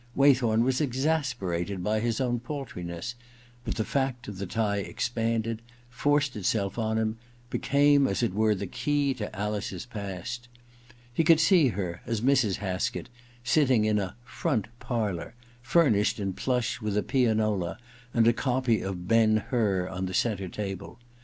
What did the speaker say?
Waythorn was exasperated by his own paltri ness, but the fact of the tie expanded, forced itself on him, became as it were the key to Alice's past. He could see her, as Mrs. Haskett, sitting in a ^ front parlour ' furnished in plush, with a pianola, and a copy of * Ben Hur ' on the centre table.